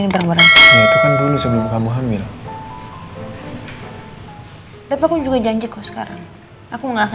saya sama andin mau pergi